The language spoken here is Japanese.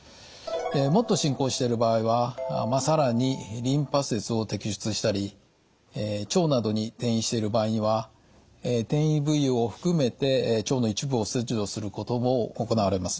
もっと進行している場合は更にリンパ節を摘出したり腸などに転移している場合には転移部位を含めて腸の一部を切除することも行われます。